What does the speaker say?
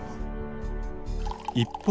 一方。